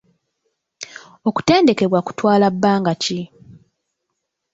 Okutendekebwa kutwala bbanga ki?